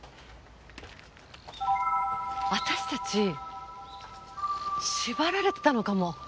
私たち縛られてたのかも。